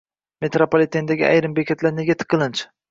Metropolitendagi ayrim bekatlar nega tiqilinch?